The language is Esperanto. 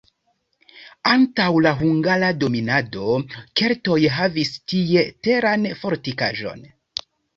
Antaŭ la hungara dominado keltoj havis tie teran fortikaĵon.